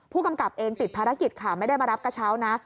ผู้กำกับเองติดภารกิจค่ะไม่ได้มารับกระเช้านะ